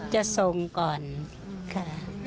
จะส่งก่อนค่ะ